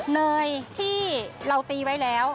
เนยที่เราตีไว้แล้ว